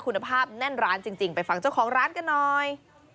คุณภาพแน่นร้านจริงไปฟังเจ้าของร้านกันหน่อย